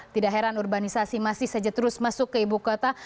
tidak heran urbanisasi masih saja terus masuk ke ibu kota